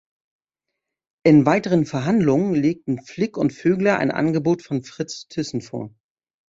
In weiteren Verhandlungen legten Flick und Vögler ein Angebot von Fritz Thyssen vor.